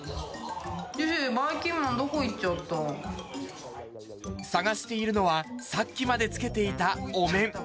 ばいきんまん、どこ行っちゃ捜しているのは、さっきまでつけていたお面。